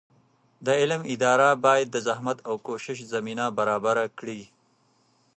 د علم اداره باید د زحمت او کوشش زمینه برابره کړي.